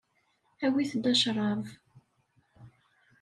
Awit-d acṛab.